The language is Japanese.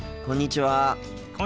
こんにちは。